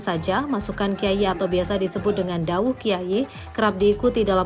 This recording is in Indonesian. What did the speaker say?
saja masukan kiai atau biasa disebut dengan dau kiai kerap diikuti dalam